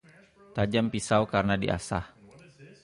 Tajam pisau karena diasah